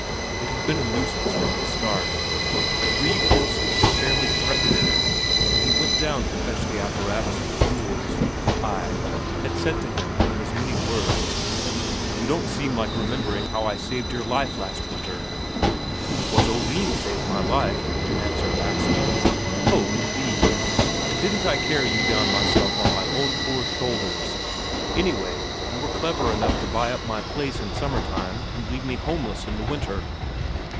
It had been a nuisance from the start. Brede Olsen had fairly threatened him when he went down to fetch the apparatus and tools; ay, had said to him in as many words: "You don't seem like remembering how I saved your life last winter!" "'Twas Oline saved my life," answered Axel. "Ho, indeed! And didn't I carry you down myself on my own poor shoulders? Anyway, you were clever enough to buy up my place in summer time and leave me homeless in the winter."